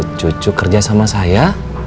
cucu kerja sama saya